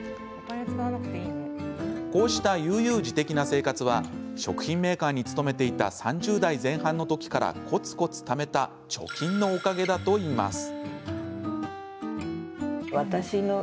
こうした悠々自適な生活は食品メーカーに勤めていた３０代前半の時からこつこつためた貯金のおかげだといいます。